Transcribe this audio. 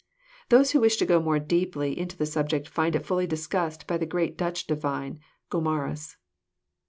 Those who wish to go more deeply into the subject will find It ftiUy discussed by the great Dutch divine, Gomarus.